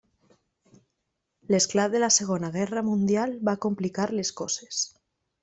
L’esclat de la Segona Guerra Mundial va complicar les coses.